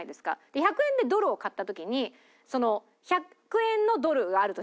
１００円でドルを買った時に１００円のドルがあるとしますよね。